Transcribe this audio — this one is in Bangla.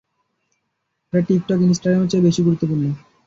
এটা টিকটক, ইনস্টাগ্রামের চেয়ে বেশি গুরুত্বপূর্ণ।